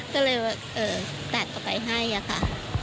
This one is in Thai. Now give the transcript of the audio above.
ก็เลยตัดกลับไปให้อะค่ะ